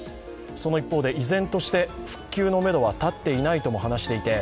その一方で依然として復旧のめどは立っていないとも話していて、